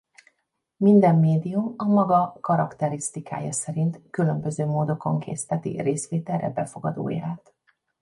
Minden médium a maga karakterisztikája szerint különböző módokon készteti részvételre befogadóját.